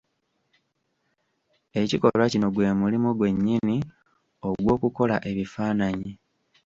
Ekikolwa kino gwe mulimo gwennyini ogw'okukola ebifaananyi.